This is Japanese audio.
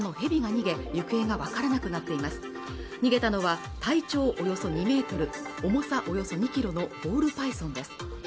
逃げたのは体長およそ２メートル重さおよそ２キロのボールパイソンです